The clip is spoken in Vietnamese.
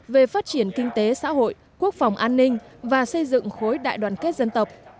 về phát triển kinh tế xã hội quốc phòng an ninh và xây dựng khối đại đoàn kết dân tộc